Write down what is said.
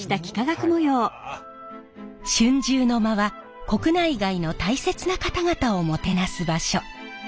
春秋の間は国内外の大切な方々をもてなす場所。